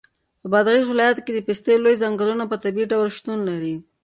په بادغیس ولایت کې د پستې لوی ځنګلونه په طبیعي ډول شتون لري.